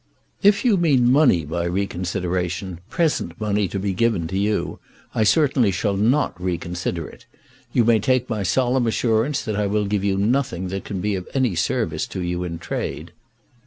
"If you mean money by reconsideration, present money to be given to you, I certainly shall not reconsider it. You may take my solemn assurance that I will give you nothing that can be of any service to you in trade."